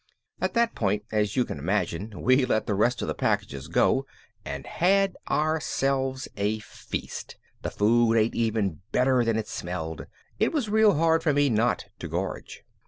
At that point as you can imagine we let the rest of the packages go and had ourselves a feast. The food ate even better than it smelled. It was real hard for me not to gorge.